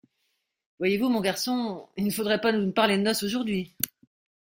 Voyez-vous, mon garçon ! il ne faudrait pas nous parler de noces aujourd’hui !